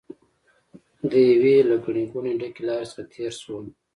د یوې له ګڼې ګوڼې ډکې لارې څخه تېر شوم.